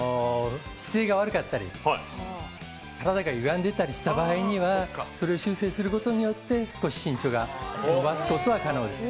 姿勢が悪かったり、肩が歪んでたりする場合にはそれを修正することによって少し身長は伸ばすことは可能です。